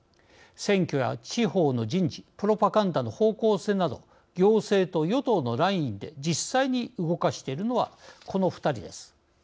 選挙や地方の人事プロパガンダの方向性など行政と与党のラインで実際に動かしているのはこの２人です。